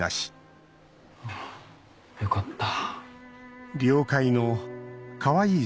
よかった。